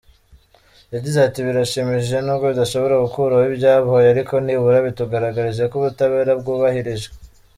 Yagize ati “ Birashimishije nubwo bidashobora gukuraho ibyabaye, ariko nibura bitugaragarije ko ubutabera bwubahirijwe.